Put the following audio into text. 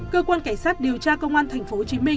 cơ quan cảnh sát điều tra công an tp hcm